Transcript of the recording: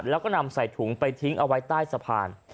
แล้วก็นำใส่ถุงไปทิ้งเอาไว้ใต้สะพาน